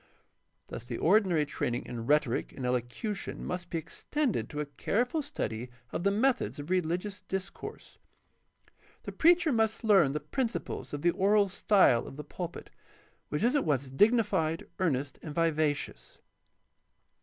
Thus the ordinary training in rhetoric and elocution must be extended to a careful study of the methods of religious discourse. The preacher must learn the principles of the oral style of the pulpit, which is at once dignified, earnest, and vivacious.